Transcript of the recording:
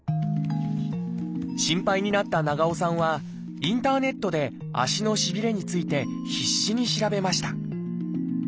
心配になった長尾さんはインターネットで足のしびれについて必死に調べました。